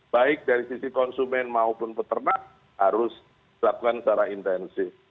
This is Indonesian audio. baik dari sisi konsumen maupun peternak harus dilakukan secara intensif